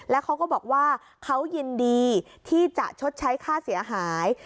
แล้วเขาก็บอกว่าเขายินดีที่จะชดใช้ค่าเสียหาย